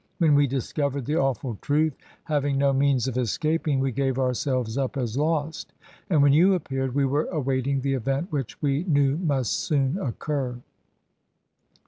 "When we discovered the awful truth, having no means of escaping, we gave ourselves up as lost, and when you appeared we were awaiting the event which we knew must soon occur."